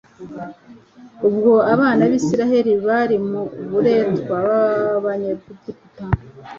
Ubwo abana b'Isiraheli bari mu buretwa bw'Abanyegiputa,